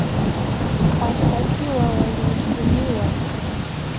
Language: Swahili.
Washtakiwa walihukumiwa